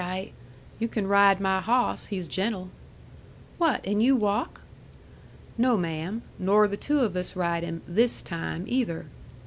I " "You can ride my hawss. He's gentle." "What! And you walk?" "No, ma'am. Nor the two of us ride him THIS time, either."